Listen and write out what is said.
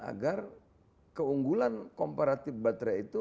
agar keunggulan komparatif baterai itu